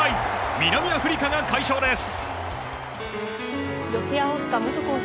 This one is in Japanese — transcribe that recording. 南アフリカが快勝です。